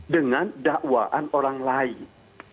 dengan dakwaan orang lain